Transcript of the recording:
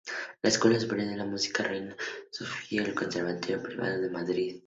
La Escuela Superior de Música Reina Sofía es un conservatorio privado de Madrid.